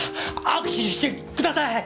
握手してください！